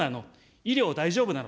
医療大丈夫なの。